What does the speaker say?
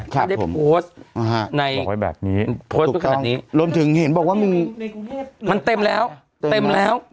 ถ้าได้โพสต์ในโพสต์ขนาดนี้รวมถึงเห็นบอกว่ามันเต็มแล้ว